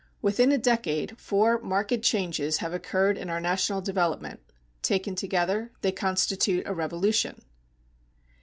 Within a decade four marked changes have occurred in our national development; taken together they constitute a revolution.